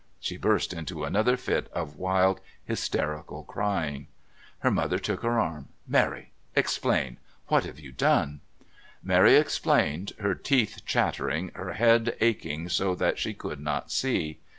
She burst into another fit of wild hysterical crying. Her mother took her arm. "Mary, explain What have you done?" Mary explained, her teeth chattering, her head aching so that she could not see.